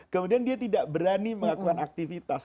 kemudian dia tidak berani melakukan aktivitas